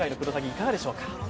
いかがでしょうか。